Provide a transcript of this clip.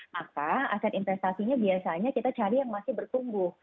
maka aset investasinya biasanya kita cari yang masih bertumbuh